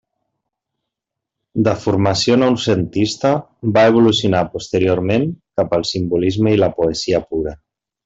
De formació noucentista, va evolucionar posteriorment cap al simbolisme i la poesia pura.